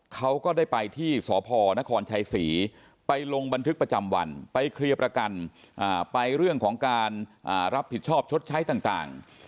เขาก็ได้ไปที่สพนครชัยศรีไปลงบันทึกประจำวันไปเคลียร์ประกันไปเรื่องของการรับผิดชอบชดใช้ต่าง